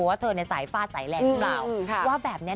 ว่าเธอในสายฟาดสายแรงหรือเปล่าว่าแบบนี้